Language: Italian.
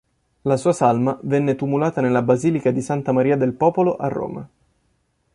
La sua salma venne tumulata nella basilica di Santa Maria del Popolo a Roma.